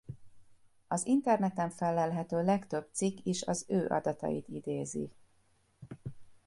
Az interneten fellelhető legtöbb cikk is az ő adatait idézi.